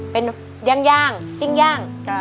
เป็นย่างปิ้งย่าง